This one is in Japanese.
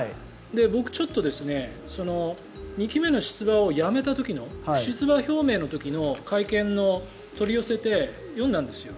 僕、ちょっと２期目の出馬をやめた時の出馬表明の時の会見のを取り寄せて読んだんですよ。